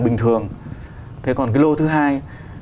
bình thường thế còn cái lô thứ hai